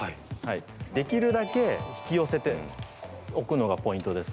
できるだけ引き寄せておくのがポイントです。